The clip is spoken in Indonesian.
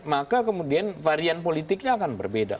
maka kemudian varian politiknya akan berbeda